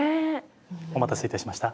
お待たせいたしました。